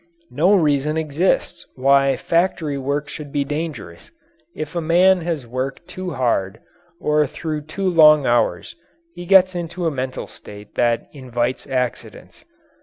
No reason exists why factory work should be dangerous. If a man has worked too hard or through too long hours he gets into a mental state that invites accidents.